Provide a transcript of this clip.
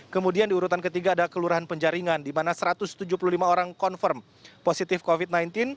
kemudian di urutan ketiga ada kelurahan penjaringan di mana satu ratus tujuh puluh lima orang confirm positif covid sembilan belas